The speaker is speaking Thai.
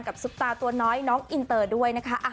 ซุปตาตัวน้อยน้องอินเตอร์ด้วยนะคะ